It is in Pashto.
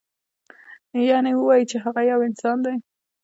یعنې ووایو چې هغه یو انسان دی.